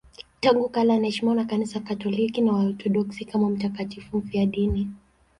Tangu kale anaheshimiwa na Kanisa Katoliki na Waorthodoksi kama mtakatifu mfiadini.